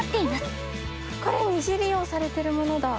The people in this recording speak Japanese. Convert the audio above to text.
これ二次利用されてるものだ。